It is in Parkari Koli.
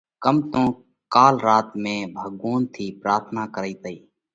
ڪم تو ڪال رات، مئين ڀڳوونَ ٿِي پراٿنا ڪرئي تئي